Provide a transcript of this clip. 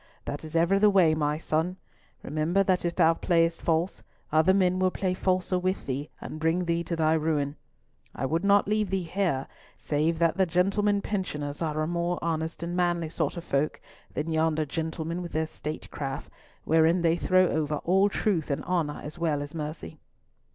"That is ever the way, my son! Remember that if thou playest false, other men will play falser with thee and bring thee to thy ruin. I would not leave thee here save that the gentlemen pensioners are a more honest and manly sort of folk than yonder gentlemen with their state craft, wherein they throw over all truth and honour as well as mercy."